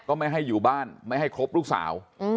ไม่ให้อยู่บ้านไม่ให้ครบลูกสาว